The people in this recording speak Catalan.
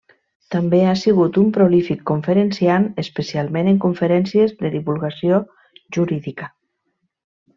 També ha sigut un prolífic conferenciant, especialment en conferències de divulgació jurídica.